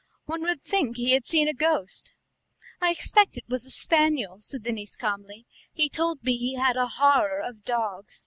One would think he had seen a ghost." "I expect it was the spaniel," said the niece calmly; "he told me he had a horror of dogs.